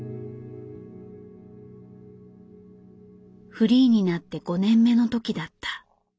フリーになって５年目の時だった。